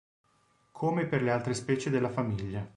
Come per le altre specie della famiglia.